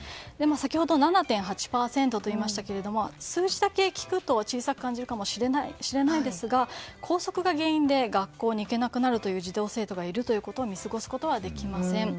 先ほど７．８％と言いましたが数字だけ聞くと小さく感じるかもしれないですが校則が原因で学校に行けなくなるという児童生徒がいるということを見過ごすことはできません。